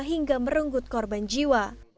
hingga merunggut korban jiwa